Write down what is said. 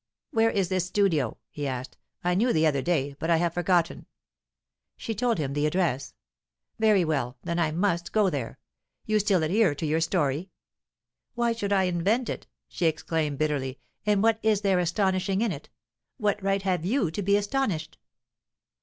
"Where is this studio?" he asked. "I knew the other day, but I have forgotten." She told him the address. "Very well, then I must go there. You still adhere to your story?" "Why should I invent it?" she exclaimed bitterly "And what is there astonishing in it? What right have you to be astonished?"